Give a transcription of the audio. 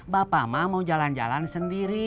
bapak mah mau jalan jalan sendiri